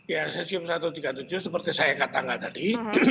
ya cesium satu ratus tiga puluh tujuh seperti saya katakan tadi